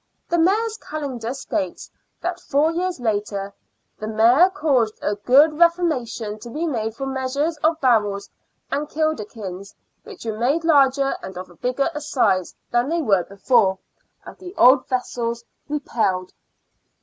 The Mayor's kalendar states that four years later " the Mayor caused a good reformation to be made for measures of barrels and kilderkins, which were made larger and of a bigger assize than they were before. And the old vessels repelled."